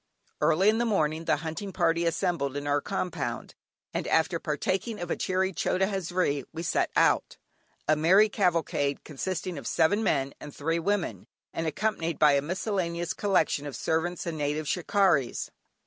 Early in the morning the hunting party assembled in our compound, and, after partaking of a cheery "chota hazri," we set out, a merry cavalcade consisting of seven men, and three women, and accompanied by a miscellaneous collection of servants and native "shikarries."